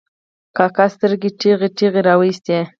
کاکا سترګې ټېغې ټېغې را وایستې.